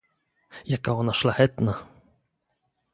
"„Jaka ona szlachetna!..."